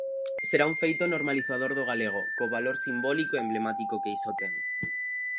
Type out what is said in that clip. Será un feito normalizador do galego, co valor simbólico e emblemático que iso ten.